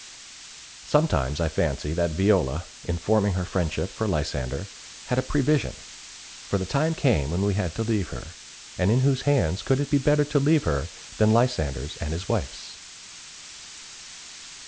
Sometimes I fancy that Viola, in forming her friendship for Lysander, had a prevision; for the time came when we had to leave her, and in whose hands could it be better to leave her than Lysander's and his wife's?